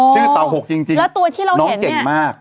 ชื่อเต่า๖จริงน้องเก่งมาก